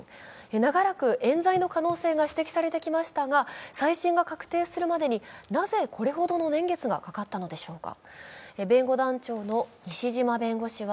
長らくえん罪の可能性が指摘されてきましたが、再審が確定するまでに、なぜこれほどの年月がかかったのでしょうか。